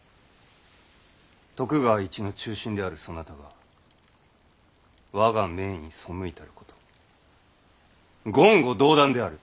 徳川一の忠臣であるそなたが我が命に背いたること言語道断である！